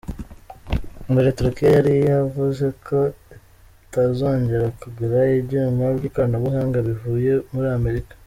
Mbere, Turukiya yari yavuze ko itazongera kugura ibyuma by'ikoranabuhanga bivuye muri Amerika.